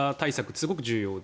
すごく重要で。